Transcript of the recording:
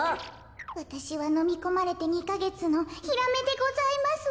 わたしはのみこまれて２かげつのヒラメでございます。